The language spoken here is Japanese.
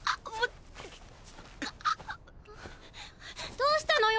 どうしたのよ？